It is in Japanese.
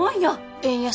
円安？